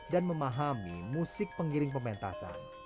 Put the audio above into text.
dan memahami musik pengiring pementasan